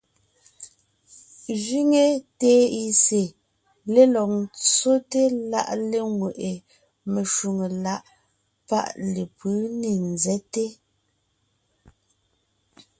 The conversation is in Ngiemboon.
Ńzẅíŋe TIC lélɔg ńtsóte láʼ léŋweʼe meshwóŋè láʼ páʼ lepʉ̌ ne ńzɛ́te.